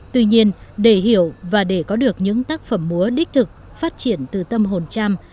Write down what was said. tuy nhiên để hiểu và để có được những tác phẩm múa đích thực phát triển từ tâm hồn trăm